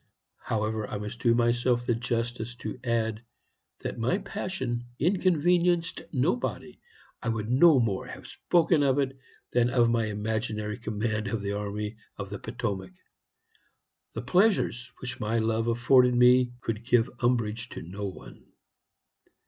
However, I must do myself the justice to add that my passion inconvenienced nobody. I would no more have spoken of it than of my imaginary command of the army of the Potomac. The pleasures which my love afforded me could give umbrage to no one.